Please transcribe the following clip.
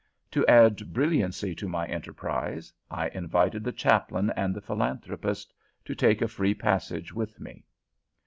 To add brilliancy to my enterprise, I invited the Chaplain and the Philanthropist to take a free passage with me.